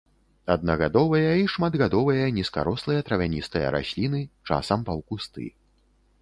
Аднагадовыя і шматгадовыя нізкарослыя травяністыя расліны, часам паўкусты.